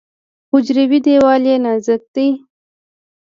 حجروي دیوال یې نازک دی.